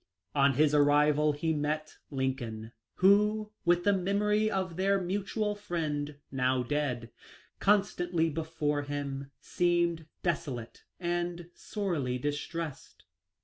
On his arrival he met Lincoln, who, with the memory of their mutual friend, now dead, con stantly before him, " seemed desolate and sorely distressed."